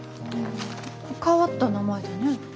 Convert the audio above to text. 変わった名前だね。